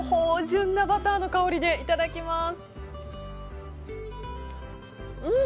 芳醇なバターな香りでいただきます！